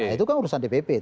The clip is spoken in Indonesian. itu kan urusan dpp